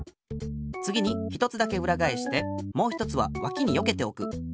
つぎに１つだけうらがえしてもう１つはわきによけておく。